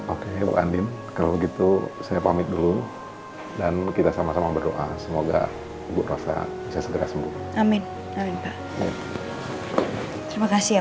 oke bapak andien kalau gitu saya pamit dulu dan kita sama sama berdoa semoga ibu rosa bisa segera sembuh